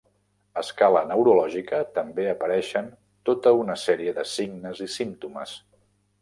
A escala neurològica també apareixen tota una sèrie de signes i símptomes.